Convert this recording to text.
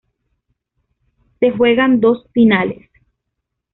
Se juegan dos finales.